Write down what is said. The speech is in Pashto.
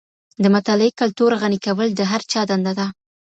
د مطالعې کلتور غني کول د هر چا دنده ده.